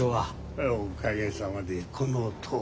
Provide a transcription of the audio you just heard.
ああおかげさまでこのとおりです。